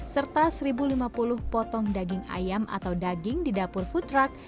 serta satu lima puluh potong daging ayam atau daging di dapur food truck